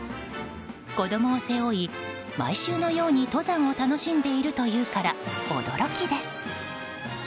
子供を背負い、毎週のように登山を楽しんでいるというから驚きです。